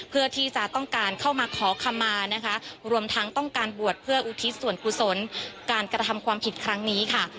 เพื่อที่จะต้องการเข้ามาขอคำมานะคะรวมทั้งต้องการบวชเพื่ออุทิศส่วนกุศลการกระทำความผิดครั้งนี้ค่ะ